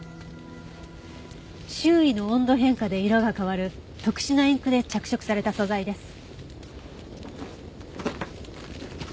周囲の温度変化で色が変わる特殊なインクで着色された素材です。